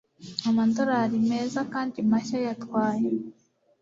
amadolari meza kandi mashya yatwaye